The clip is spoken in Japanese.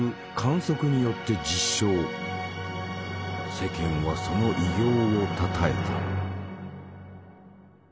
世間はその偉業をたたえた。